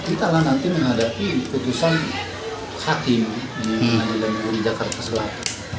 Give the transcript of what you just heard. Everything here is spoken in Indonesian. kitalah nanti menghadapi putusan hakim di pengadilan negeri jakarta selatan